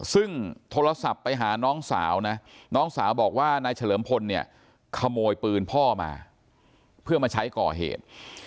ซึ่งโทรศัพท์ไปหาน้องสาวนะน้องสาวบอกว่านายเฉลิมพลเนี่ยขโมยปืนพ่อมาเพื่อมาใช้ก่อเหตุ